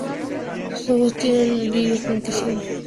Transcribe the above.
Sus ojos tienen el iris blanquecino.